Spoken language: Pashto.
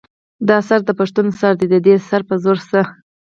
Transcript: دا سر د پښتون سر دے ددې سر پۀ وزر څۀ